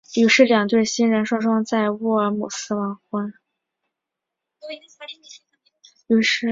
于是两对新人双双在沃尔姆斯完婚。